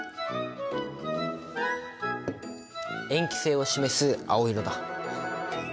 塩基性を示す青色だ。